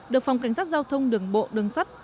được phòng cảnh sát giao thông đường bộ đường sắt